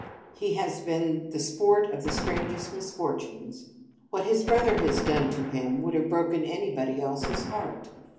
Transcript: He has been the sport of the strangest misfortunes. What his brother has done to him would have broken anybody else's heart.